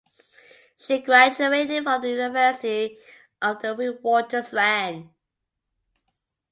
She graduated from the University of the Witwatersrand.